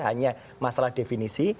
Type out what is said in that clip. hanya masalah definisi